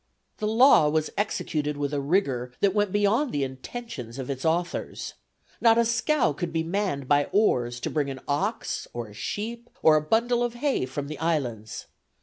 "The law was executed with a rigour that went beyond the intentions of its authors. Not a scow could be manned by oars to bring an ox, or a sheep, or a bundle of hay, from the islands.